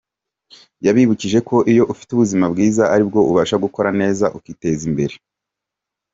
Yabibukije ko iyo ufite ubuzima bwiza ari bwo ubasha gukora neza, ukiteza imbere.